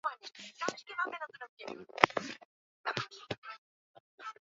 changamoto nyingi ambazo nchi hukabili zinaposhughulikia ubora wa